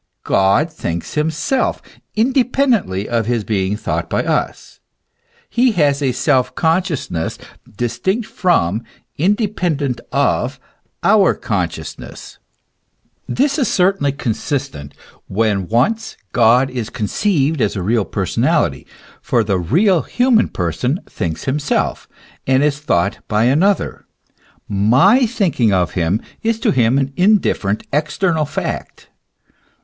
God thinks himself, inde pendently of his being thought by us : he has a self conscious ness distinct from, independent of, our consciousness. This is SPECULATIVE DOCTRINE OF GOD. 225 certainly consistent when once God is conceived as a real personality; for the real human person thinks himself, and is thought by another ; my thinking of him is to him an in different, external fact.